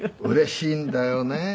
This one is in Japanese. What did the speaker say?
うれしいんだよね。